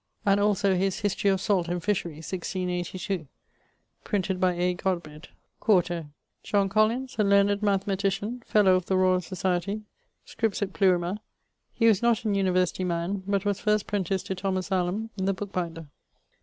And also his Historie of salt and fisherie, 1682, printed by A. Godbid, 4to. John Collins, a learned mathematician, fellow of the Royal Society: scripsit plurima: he was not an University man, but was first prentice to Allam the booke binder.